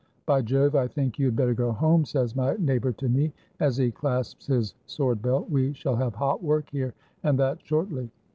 — "By Jove! I think you had better go home," says my neighbor to me, as he clasps his sword belt; "we shall have hot work here, and that shortly."